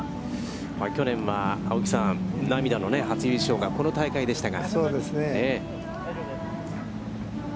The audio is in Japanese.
去年は青木さん、涙の初優勝がこの大会でしたが。